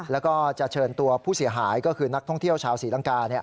แล้วก็จะเชิญตัวผู้เสียหายก็คือนักท่องเที่ยวชาวศรีลังกา